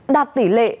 đạt tỷ lệ